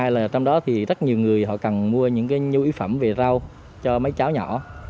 điều thứ hai là trong đó thì rất nhiều người họ cần mua những cái nhu y phẩm về rau cho mấy cháu nhỏ